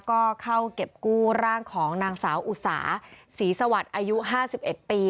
ก็เข้าเก็บกู้ร่างของนางสาวอุสาศรีสวรรค์อายุห้าสิบเอ็ดปี